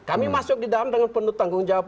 kami masuk di dalam dengan penuh tanggung jawab